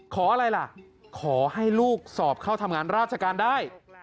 ขออะไรล่ะขอให้ลูกสอบเข้าทำงานราชการได้